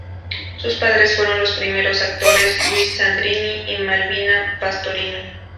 Sus padres fueron los primeros actores Luis Sandrini y Malvina Pastorino.